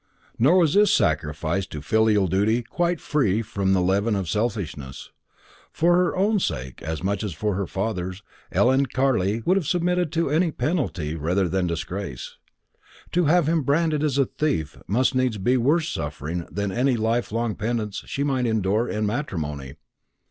Nor was this sacrifice to filial duty quite free from the leaven of selfishness. For her own sake, as much as for her father's, Ellen Carley would have submitted to any penalty rather than disgrace. To have him branded as a thief must needs be worse suffering than any life long penance she might endure in matrimony.